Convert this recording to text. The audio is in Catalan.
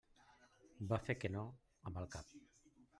Va fer que no amb el cap.